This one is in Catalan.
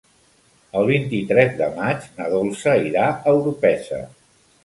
El vint-i-tres de maig na Dolça irà a Orpesa.